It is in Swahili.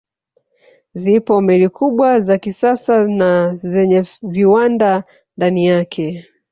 Zipo meli kubwa za kisasa na zenye viwanda ndani yake